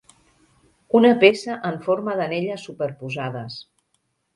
Una peça en forma d'anelles superposades.